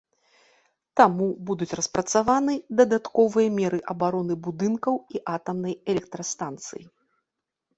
Таму будуць распрацаваны дадатковыя меры абароны будынкаў і атамнай электрастанцыі.